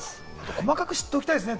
細かく知っておきたいですね。